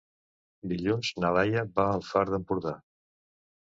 Dilluns na Laia va al Far d'Empordà.